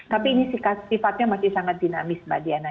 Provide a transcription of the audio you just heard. tapi ini sifatnya masih sangat dinamis mbak diana